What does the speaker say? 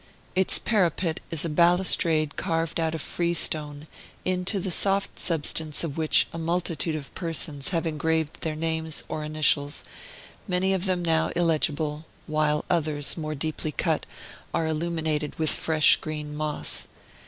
Its parapet is a balustrade carved out of freestone, into the soft substance of which a multitude of persons have engraved their names or initials, many of them now illegible, while others, more deeply cut, are illuminated with fresh green moss.